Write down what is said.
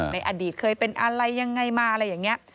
ในอดีตเคยเป็นอะไรยังไงมาอะไรอย่างนี้